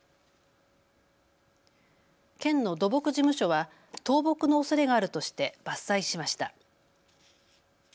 県の土木事務所は倒木のおそれがあるとして伐採しました。